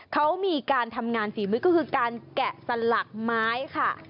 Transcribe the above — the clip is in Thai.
เขามีการทำงานฝีมือก็คือการแกะสลักไม้ค่ะ